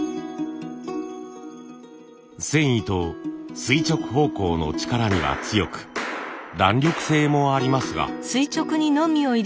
繊維と垂直方向の力には強く弾力性もありますが。